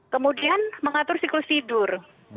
kemudian mengatur siklus tidur